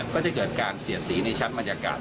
ก็จะเกิดการเสียดสีในชั้นบรรยากาศ